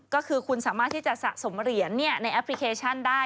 ก็คือคุณสามารถที่จะสะสมเหรียญในแอปพลิเคชันได้